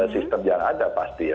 sistem yang ada pasti ya